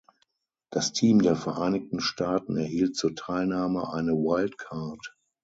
Das Team der Vereinigten Staaten erhielt zur Teilnahme eine Wildcard.